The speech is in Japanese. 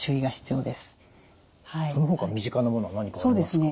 そのほか身近なものは何かありますか？